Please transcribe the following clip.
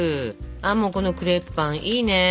ああもうこのクレープパンいいね！